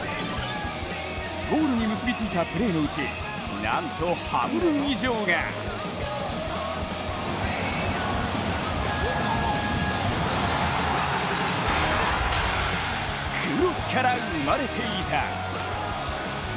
ゴールに結びついたプレーのうち、なんと半分以上がクロスから生まれていた。